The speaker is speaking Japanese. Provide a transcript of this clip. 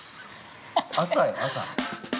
朝よ、朝。